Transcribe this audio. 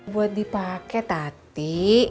buat dipake tati